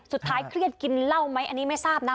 เครียดกินเหล้าไหมอันนี้ไม่ทราบนะ